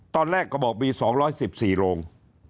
ตอนแรกก็บอกมี๒๑๔โรง